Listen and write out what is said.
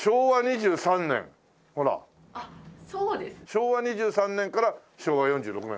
昭和２３年から昭和４６年だ。